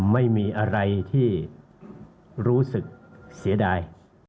ไม่มีอะไรที่รู้สึกเสียดาย